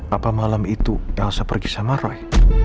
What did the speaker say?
apa malam itu elsa pergi sama roy